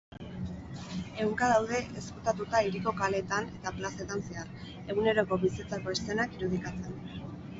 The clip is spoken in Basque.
Ehunka daude ezkutatuta hiriko kaleetan eta plazetan zehar, eguneroko bizitzako eszenak irudikatzen.